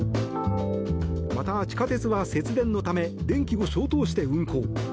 また地下鉄は節電のため電気を消灯して運行。